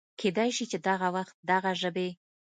کېدی شي چې دغه وخت دغه ژبې